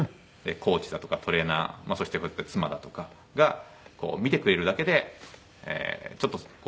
コーチだとかトレーナーそして妻だとかが見てくれるだけでちょっとなんていうんですかね